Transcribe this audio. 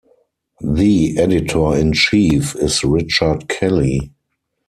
The editor-in-chief is Richard Kelly.